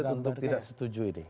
saya serius untuk tidak setuju ini